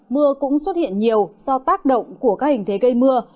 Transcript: mưa cũng xuất hiện nhiều do tác động của các hình thế gây mưa